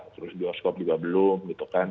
terus bioskop juga belum gitu kan